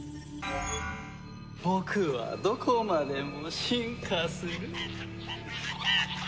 僕はどこまでも進化する。